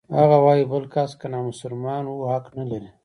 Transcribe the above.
هغه وايي بل کس که نامسلمان و حق نلري.